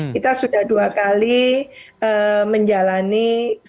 kita sudah dua kali menjalani satu koalisi